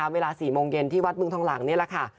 เวลา๔โมงเย็นที่วัดเมืองทองหลังนี่แหละค่ะ